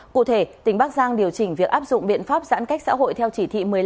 cụ thể tỉnh bắc giang điều chỉnh việc áp dụng biện pháp giãn cách xã hội theo chỉ thị một mươi năm